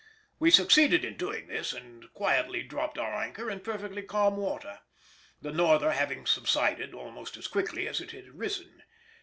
We succeeded in doing this and quietly dropped our anchor in perfectly calm water, the "Norther" having subsided almost as quickly as it had risen.